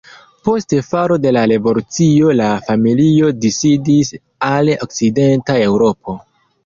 Post falo de la revolucio la familio disidis al okcidenta Eŭropo.